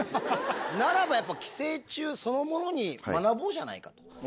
ならばやっぱ寄生虫そのものに学ぼうじゃないかと。